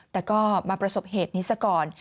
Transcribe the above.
แต่ก็มาประสบเหตุนี้ซะก่อน